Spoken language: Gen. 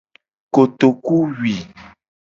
Kotokuwui.